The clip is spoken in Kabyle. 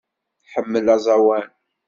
Tḥemmel aẓawan.